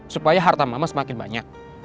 supaya harta mama semakin banyak